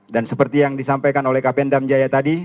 dan seperti yang disampaikan oleh kapten damjaya tadi